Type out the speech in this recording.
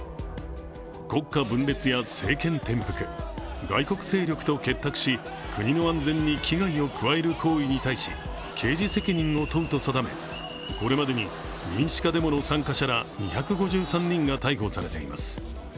国家分裂や政権転覆、外国勢力と結託し、国の安全に危害を加える行為に対し刑事責任を問うと定め、これまでに民主化デモの参加者ら２５３人が逮捕されています。